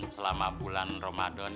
selama bulan ramadan